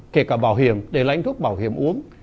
kể cả bảo hiểm để lãnh thuốc bảo hiểm uống